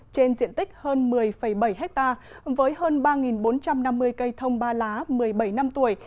trên diện tích hơn một mươi bảy ha với hơn ba bốn trăm năm mươi cây thông ba lá một mươi bảy năm tuổi